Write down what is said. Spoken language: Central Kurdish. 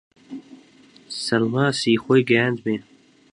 سەڵماسی خۆی گەیاندمێ